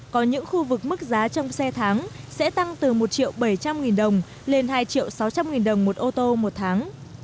có những khu vực mức giá chung xe tháng sẽ tăng từ một bảy trăm linh đồng lên hai sáu trăm linh đồng một ô tô một tháng